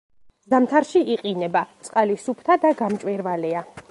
ზამთარში იყინება, წყალი სუფთა და გამჭვირვალეა.